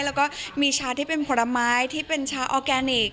แล้วก็มีชาที่เป็นผลไม้ที่เป็นชาออร์แกนิค